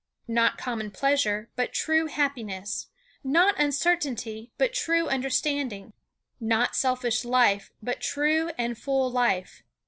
Not common pleasure, but true happiness; not uncertainty, but true understanding; not selfish life, but true and full life.